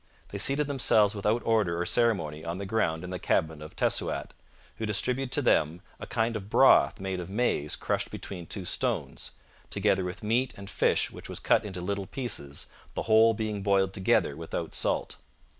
They seated themselves without order or ceremony on the ground in the cabin of Tessouat, who distributed to them a kind of broth made of maize crushed between two stones, together with meat and fish which was cut into little pieces, the whole being boiled together without salt.